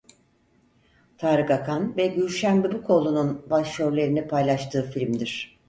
Tarık Akan ve Gülşen Bubikoğlu'nun başrollerini paylaştığı filmdir.